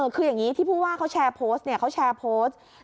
คืออย่างนี้ที่ผู้ว่าเขาแชร์โพสต์